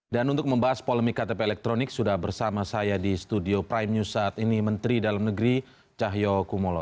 dan untuk membahas polemik ktp elektronik sudah bersama saya di studio prime news saat ini menteri dalam negeri cahyo kumolo